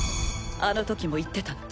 あの時も言ってたな。